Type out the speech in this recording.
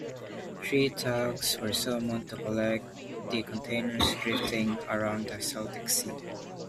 Three tugs were summoned to collect the containers drifting around the Celtic Sea.